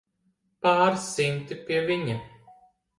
Pāris simti, pie viņa.